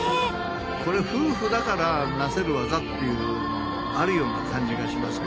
これ夫婦だから成せる技っていうのあるような感じがしますけど。